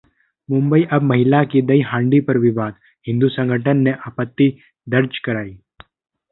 मुंबई: अब महिला दही-हांडी पर विवाद, हिंदू संगठन ने आपत्ति दर्ज कराई